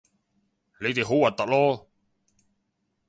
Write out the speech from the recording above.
你哋好核突囉